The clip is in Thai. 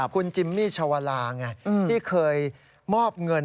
คุณจิมมี่ชาวาลาไงที่เคยมอบเงิน